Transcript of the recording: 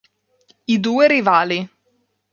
I due rivali